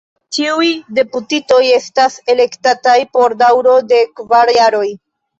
Ĉiuj deputitoj estas elektataj por daŭro de kvar jaroj.